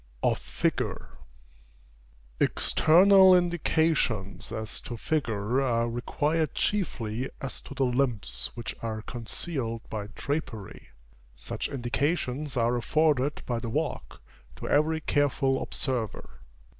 OF FIGURE. External indications as to figure are required chiefly as to the limbs which are concealed by drapery. Such indications are afforded by the walk, to every careful observer.